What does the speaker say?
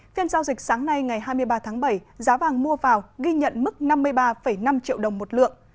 phiên giao dịch sáng nay ngày hai mươi ba tháng bảy giá vàng mua vào ghi nhận mức năm mươi ba năm triệu đồng một lượng